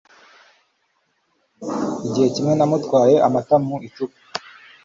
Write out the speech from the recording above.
Igihe kimwe namutwaye amata mu icupa